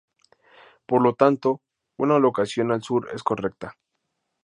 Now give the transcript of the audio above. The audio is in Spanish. Por lo tanto, una locación al sur es correcta.